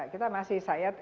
kita masih saya